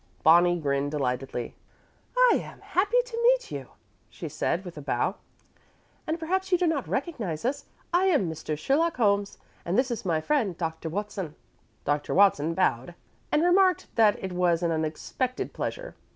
Bonnie grinned delightedly. "I am happy to meet you," she said, with a bow. "And perhaps you do not recognize us. I am Mr. Sherlock Holmes, and this is my friend Dr. Watson." Dr. Watson bowed, and remarked that it was an unexpected pleasure.